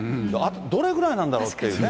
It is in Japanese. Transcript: どれぐらいなんだろうっていうね。